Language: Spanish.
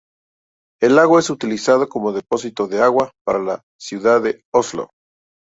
El lago es utilizado como depósito de agua para la ciudad de Oslo.